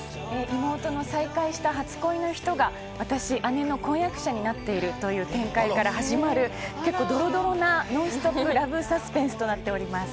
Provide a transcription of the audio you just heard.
妹の再会した初恋の人が私、姉の婚約者になっているという展開から始まる、結構ドロドロなノンストップ・ラブサスペンスとなっております。